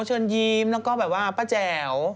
นั่วเฉินยีมแล้วก็แบบว่าป้าแจ๋ว